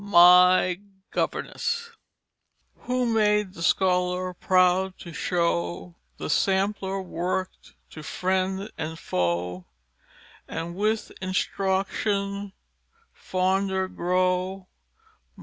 My Governess. "Who made the Scholar proud to show The Sampler work'd to friend and foe, And with Instruction fonder grow?